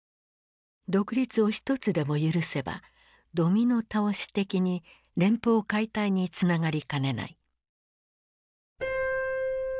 独立を一つでも許せばドミノ倒し的に連邦解体につながりかねない。